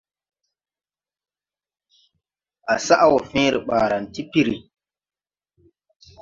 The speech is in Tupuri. À saʼ wɔ fẽẽre ɓaaran ti piri.